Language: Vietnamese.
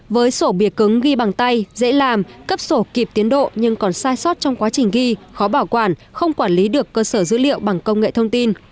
với sổ bìa cứng ghi bằng tay dễ làm cấp sổ kịp tiến độ nhưng còn sai sót trong quá trình ghi khó bảo quản không quản lý được cơ sở dữ liệu bằng công nghệ thông tin